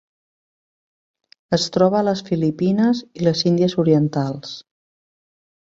Es troba a les Filipines i les Índies Orientals.